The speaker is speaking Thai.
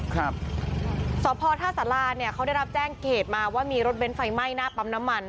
ครับสพท่าสาราเนี่ยเขาได้รับแจ้งเหตุมาว่ามีรถเน้นไฟไหม้หน้าปั๊มน้ำมัน